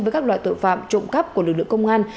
với các loại tội phạm trộm cắp của lực lượng công an